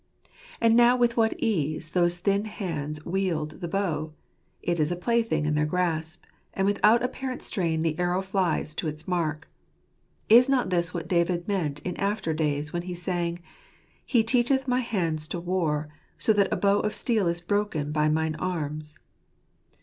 And now with what ease those thin hands wield the bow; it is a plaything in their grasp ; and without apparent strain the arrow flies to its mark. Is not this what David meant in after days, when he sang, " He teachelh my hands to war, So that a bow of steel is broken By mine arms